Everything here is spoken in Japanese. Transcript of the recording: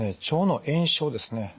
腸の炎症ですね